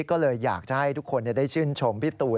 ก็เลยอยากจะให้ทุกคนได้ชื่นชมพี่ตูน